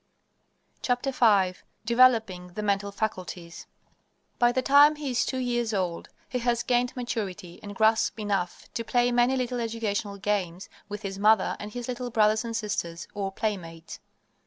V DEVELOPING THE MENTAL FACULTIES By the time he is two years old he has gained maturity and grasp enough to play many little educational games with his mother and his little brothers and sisters, or playmates.